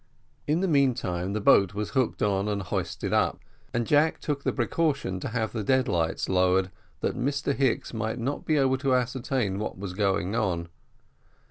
In the meantime the boat was hooked on and hoisted up, and Jack took the precaution to have the dead lights lowered that Mr Hicks might not be able to ascertain what was going on.